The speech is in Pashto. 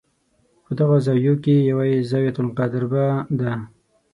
په دغو زاویو کې یوه یې الزاویة القادربه ده.